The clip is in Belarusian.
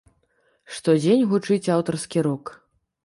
Штодзень гучыць аўтарскі рок.